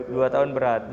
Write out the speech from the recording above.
dua tahun itu berat kemarin